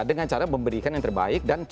dengan cara memberikan yang terbaik dan